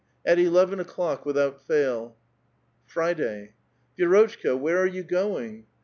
At eleven o'clock, without fail." Friday. —" Vi^rotchka, where are you going?